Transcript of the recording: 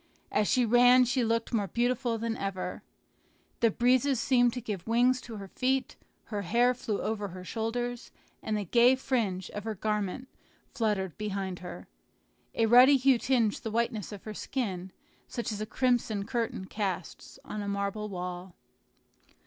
As she ran she looked more beautiful than ever. The breezes seemed to give wings to her feet; her hair flew over her shoulders, and the gay fringe of her garment fluttered behind her. A ruddy hue tinged the whiteness of her skin, such as a crimson curtain casts on a marble wall.